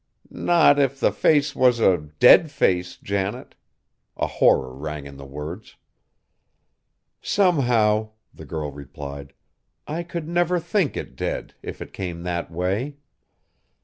"Not if the face was a dead face, Janet!" A horror rang in the words. "Somehow," the girl replied, "I could never think it dead, if it came that way.